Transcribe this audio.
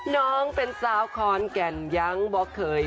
น้องเป็นสาวขอนแก่นยังบอกเคย